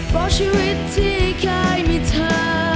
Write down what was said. เพราะชีวิตที่เคยมีเธอ